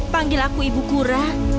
panggil aku ibu kura